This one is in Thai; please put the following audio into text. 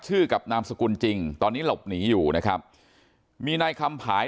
กับนามสกุลจริงตอนนี้หลบหนีอยู่นะครับมีนายคำผาย